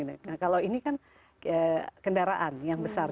nah kalau ini kan kendaraan yang besar